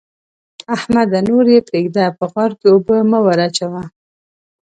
احمده! نور يې پرېږده؛ په غار کې اوبه مه وراچوه.